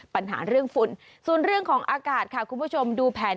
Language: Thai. ปัญหาเรื่องฝุ่นส่วนเรื่องของอากาศค่ะคุณผู้ชมดูแผน